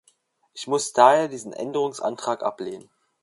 Ich muss daher diesen Änderungsantrag ablehnen.